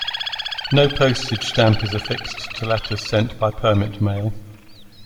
No postage stamp is affixed to letters sent by permit mail.